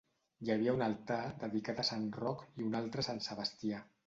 Hi havia un altar dedicat a Sant Roc i un altre a Sant Sebastià.